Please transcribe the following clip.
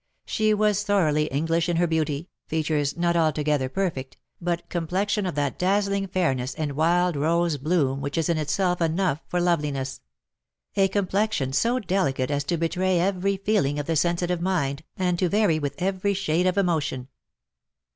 She was thoroughly English in her beauty, features not altogether perfect, but complexion of that dazzling fairness and wild rose bloom which is in itself enough for loveliness ; a complexion so delicate as to betray every feeling of the sensitive mind, and to vary with every shade of emotion.